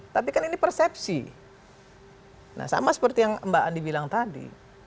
tapi kan ini persepsi nah sama seperti yang mbak andi bilang tadi